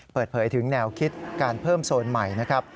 เปิดเผยถึงแนวคิดการเพิ่มโซนใหม่นะครับ